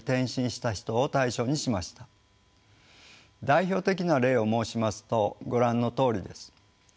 代表的な例を申しますとご覧のとおりです。